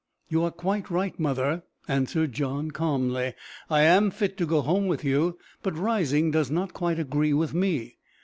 "You are quite right, mother," answered John calmly; "I am fit to go home with you. But Rising does not quite agree with me.